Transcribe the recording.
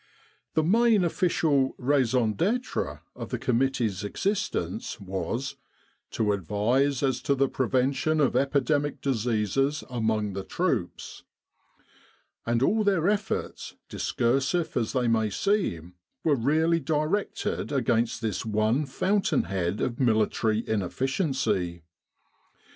The main official raison d'etre of the committee's existence was "to advise as to the prevention of epidemic diseases among the troops "; and all their efforts, discursive as they may seem, were really directed against this one fountain head of military inefficiency.